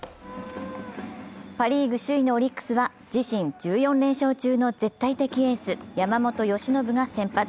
パ・リーグ首位のオリックスは自身１４連勝中の絶対的エース・山本由伸が先発。